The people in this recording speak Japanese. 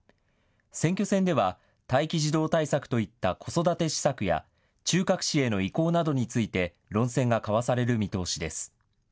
選挙戦では待機児童対策といった子育て施策や中核市への移行などについて論戦が交わされる見通しです。